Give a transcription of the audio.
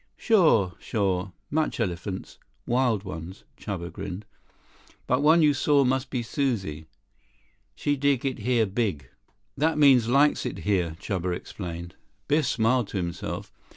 57 "Sure. Sure. Much elephants. Wild ones." Chuba grinned. "But one you saw must be Suzie. She dig it here big. That means likes it here," Chuba explained. Biff smiled to himself.